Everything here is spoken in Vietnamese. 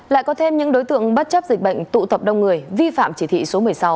lại có thêm những đối tượng bất chấp dịch bệnh tụ tập đông người vi phạm chỉ thị số một mươi sáu